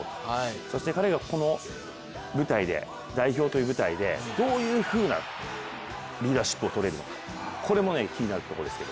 そして彼がこの代表という舞台でどういうふうなリーダーシップをとれるのか、これも気になるところですけど。